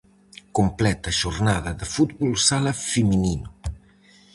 Completa xornada de fútbol sala feminino.